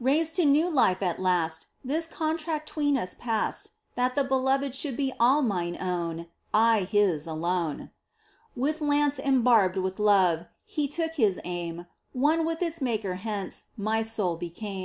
Raised to new life at last This contract 'tween us passed. That the Beloved should be all mine own, I His alone ! With lance embarbed with love He took His aim — One with its Maker hence My soul became. l8 MINOR WORKS OF ST.